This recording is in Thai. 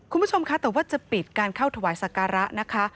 คุณผู้ชมคะแต่ว่าจะปิดการเข้าถวายสการะนะคะ